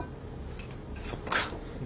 そっか。